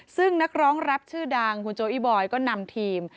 ซึ่งนักร้องแรปชื่อดังคุณโจอีบอยก็นำทีม